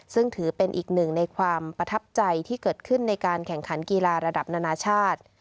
ซึ่งถือเป็นอีกหนึ่งความประทับใจที่เกิดขึ้นที่ในการแขนขันกีราศนาชาติ